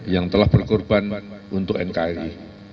yang telah berkorban untuk nkri